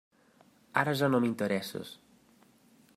Ara ja no m'interesses.